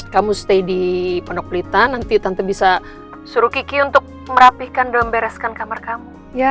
kamu stay di pondok pelita nanti tante bisa suruh kiki untuk merapihkan dan membereskan kamar kamu